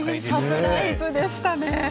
サプライズでした。